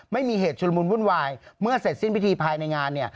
ไม่มีเหตุชุลมุนวุ่นวายเมื่อเสร็จสิ้นพิธีภายในงานเนี่ย